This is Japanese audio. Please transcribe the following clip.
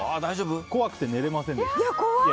怖くて寝れませんでした。